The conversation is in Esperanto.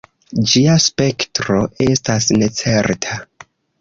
Ĝia spektro estas necerta.